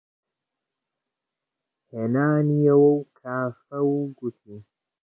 هێنانیوە کافە و گوتی: